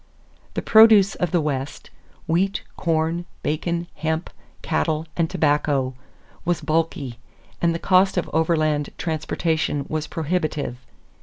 The produce of the West wheat, corn, bacon, hemp, cattle, and tobacco was bulky and the cost of overland transportation was prohibitive.